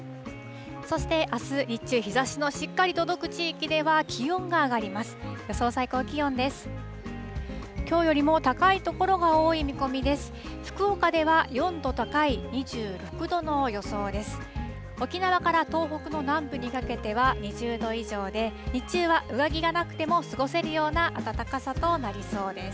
そして、あす日中日ざしのしっかり届く地域では気温が上がります。